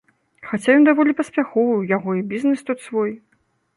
Хаця ён даволі паспяховы, у яго і бізнэс тут свой.